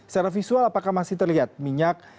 secara visual apakah masih terlihat minyak